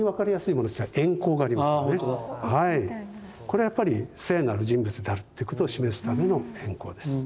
これはやっぱり聖なる人物であるってことを示すための円光です。